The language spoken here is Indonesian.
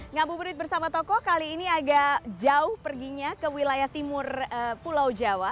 ngabuburit bersama tokoh kali ini agak jauh perginya ke wilayah timur pulau jawa